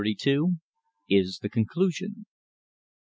IS THE CONCLUSION.